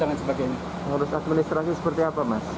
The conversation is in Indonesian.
ngurus administrasi seperti apa mas